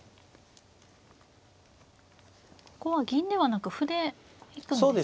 ここは銀ではなく歩で行くんですね。